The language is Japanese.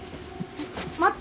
待って。